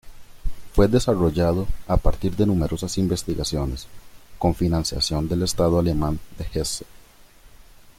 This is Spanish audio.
Fue desarrollado a partir de numerosas investigaciones, con financiación del estado Alemán de Hesse.